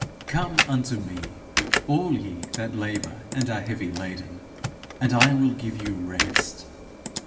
'Come unto me, all ye that labour, and are heavy laden, and I will give you rest.